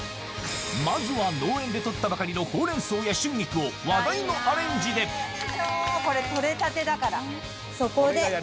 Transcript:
まずは農園で取ったばかりのほうれん草や春菊を話題のアレンジでこれとれたてだからそこで。